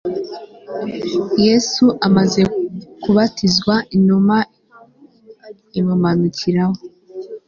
yesu amaze kubatizwa inuma imumanukiraho